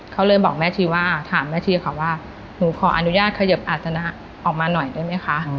เขาเลยบอกแม่ชีว่าถามแม่ชีค่ะว่าหนูขออนุญาตเขยิบอาจนะออกมาหน่อยได้ไหมคะ